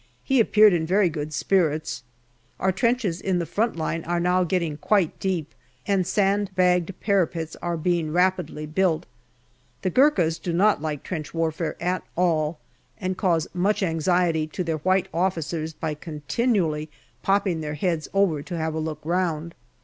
He appeared in very good spirits. Our trenches in the front line are now getting quite deep, and sand bagged parapets are being rapidly built. The Gurkhas do not like trench warfare at all, and cause much anxiety to their white officers by continually popping their heads over to have a look round.